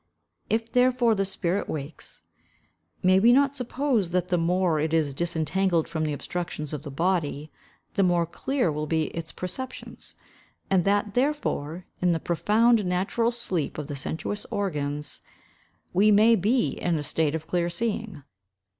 If, therefore, the spirit wakes, may we not suppose that the more it is disentangled from the obstructions of the body the more clear will be its perceptions; and that, therefore, in the profound natural sleep of the sensuous organs we may be in a state of clear seeing.